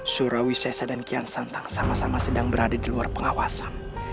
surawi sesa dan kian santa sama sama sedang berada di luar pengawasan